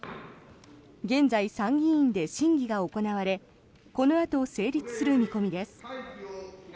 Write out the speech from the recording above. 現在、参議院で審議が行われこのあと成立する見込みです。